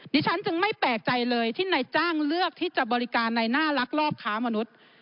ฉันจึงไม่แปลกใจเลยที่นายจ้างเลือกที่จะบริการในหน้าลักลอบค้ามนุษย์